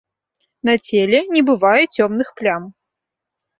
На целе не бывае цёмных плям.